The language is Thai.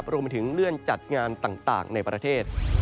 รวมไปถึงเลื่อนจัดงานต่างในประเทศ